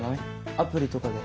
アプリとかで。